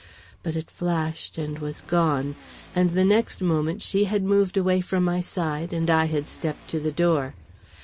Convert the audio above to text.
But it flashed and was gone, and the next moment she had moved away from my side and I had stepped to the door.